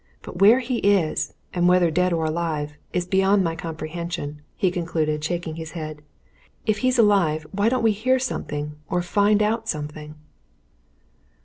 But where he is, and whether dead or alive, is beyond my comprehension," he concluded, shaking his head. "If he's alive, why don't we hear something, or find out something?"